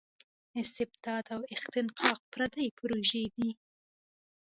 استبداد او اختناق پردۍ پروژې دي.